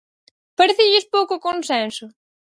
¿Parécelles pouco consenso?